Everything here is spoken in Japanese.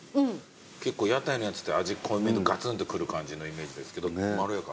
結構屋台のやつって味濃いめガツンとくる感じのイメージですけどまろやか。